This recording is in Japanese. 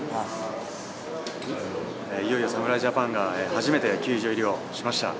いよいよ侍ジャパンが初めて球場入りをしました。